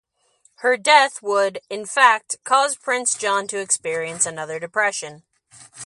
Her death would, in fact, cause Prince John to experience another depression.